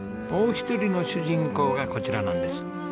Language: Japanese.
もう一人の主人公がこちらなんです。